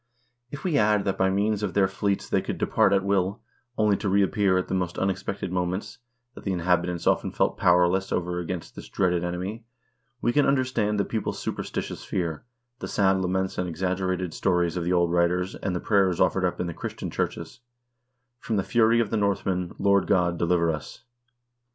If we add that by means of their fleets they could depart at will, only to reappear at the most unexpected moments, that the inhabitants often felt powerless over against this dreaded enemy, we can under stand the people's superstitious fear, the sad laments and exaggerated stories of the old writers, and the prayers offered up in the Christian churches : "From the fury of the Northmen, Lord God, deliver us